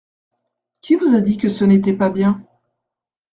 Qui vous a dit que ce n’était pas bien ?